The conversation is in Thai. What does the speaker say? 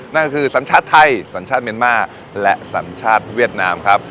นั่นคือสัญชาติไทยสัญชาติเมียนมาร์และสัญชาติเวียดนามครับ